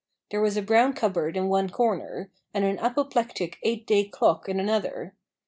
There was a brown cupboard in one corner, and an apoplectic eight day clock in another.